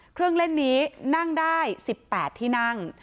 เครื่องเล่นนี้นั่งได้๑๘ที่นั่ง